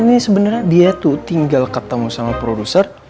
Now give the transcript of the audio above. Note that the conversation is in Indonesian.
ini sebenarnya dia tuh tinggal ketemu sama produser